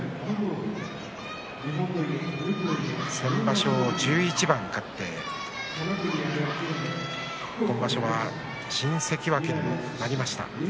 先場所１１番勝って今場所は新関脇になりました。